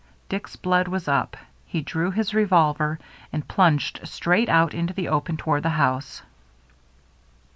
Dick's blood was up. He drew his revolver and plunged straight out into the open toward the house.